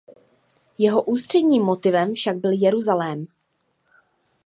Jeho ústředním motivem však byl Jeruzalém.